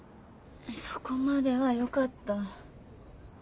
そこまではよかった。